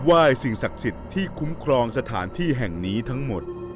สิ่งศักดิ์สิทธิ์ที่คุ้มครองสถานที่แห่งนี้ทั้งหมด